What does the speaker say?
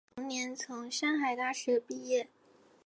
同年从上海大学毕业。